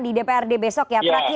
di dprd besok ya